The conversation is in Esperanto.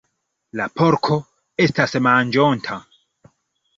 La porko estas manĝonta.